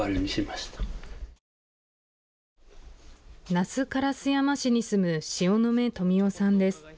那須烏山市に住む塩野目富夫さんです。